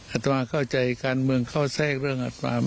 อัตราเข้าใจการเมืองเข้าแทรกเรื่องอัตรา